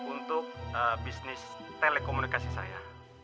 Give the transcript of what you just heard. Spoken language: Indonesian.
untuk bisnis telekomunikasi saya